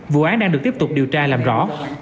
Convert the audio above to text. vụ án đang được tiếp tục điều tra làm rõ